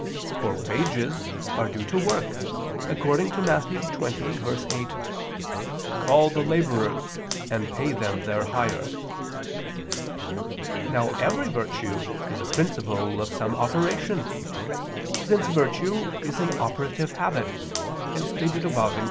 For wages are due to work, according to Matt. 20:8: "Call the laborers and pay them their hire." Now every virtue is a principle of some operation, since virtue is an operative habit, as stated above (Q.